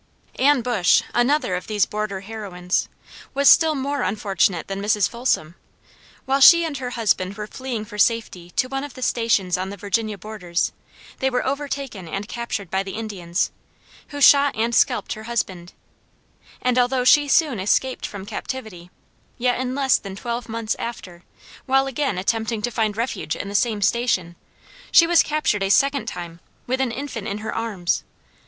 Ann Bush, another of these border heroines, was still more unfortunate than Mrs. Folsom. While she and her husband were fleeing for safety to one of the stations on the Virginia borders, they were overtaken and captured by the Indians, who shot and scalped her husband; and although she soon escaped from captivity, yet in less than twelve months after, while again attempting to find refuge in the same station, she was captured a second time, with an infant in her arms.